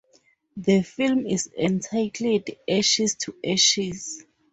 The film is entitled Ashes to Ashes.